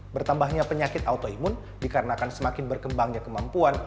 bertambahnya penyakit autoimun dikarenakan semakin berkembangnya kemampuan